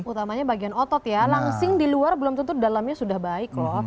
utamanya bagian otot ya langsing di luar belum tentu dalamnya sudah baik loh